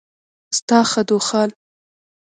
ستا خدوخال